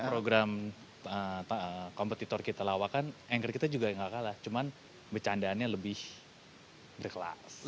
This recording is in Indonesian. di program kompetitor kita lawakan anchor kita juga gak kalah cuman bercandaannya lebih berkelas